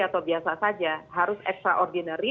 atau biasa saja harus extraordinary